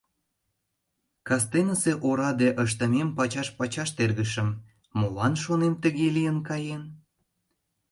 Кастенысе ораде ыштымем пачаш-пачаш тергышым: молан, шонем, тыге лийын каен?